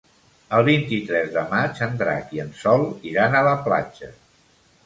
El vint-i-tres de maig en Drac i en Sol iran a la platja.